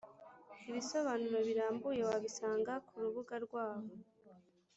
Ibisobanuro birambuye wabisanga kurubuga rwabo.